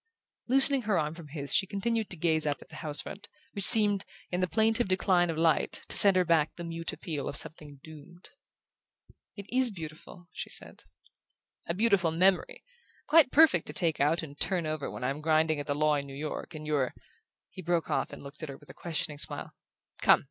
Loosening her arm from his she continued to gaze up at the house front, which seemed, in the plaintive decline of light, to send her back the mute appeal of something doomed. "It IS beautiful," she said. "A beautiful memory! Quite perfect to take out and turn over when I'm grinding at the law in New York, and you're " He broke off and looked at her with a questioning smile. "Come!